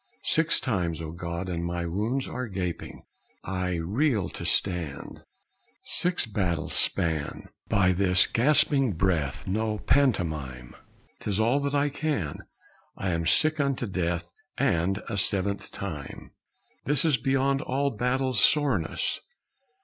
Six times, O God, and my wounds are gaping! I reel to stand. "Six battles' span! By this gasping breath No pantomime. Tis all that I can. I am sick unto death. And a seventh time? "This is beyond all battles' soreness!"